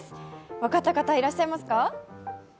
分かった方、いらっしゃいますか？